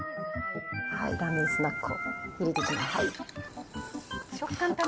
ラーメンスナックを入れていきます。